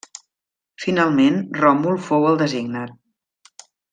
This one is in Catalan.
Finalment, Ròmul fou el designat.